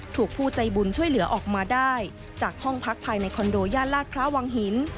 ถูกผู้ใจบุญช่วยเหลือออกมาได้จากห้องพักภายในคอนโดย่านลาดพระวังหิน